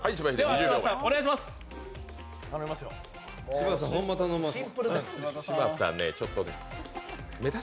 柴田さん、ほんま頼みます。